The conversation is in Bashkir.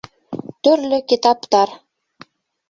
— Төрлө китаптар.